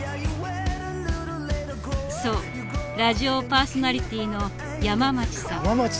そうラジオパーソナリティーの山町さん。